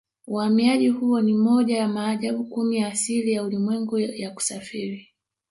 Uhamiaji huo ni moja ya maajabu kumi ya asili ya ulimwengu ya kusafiri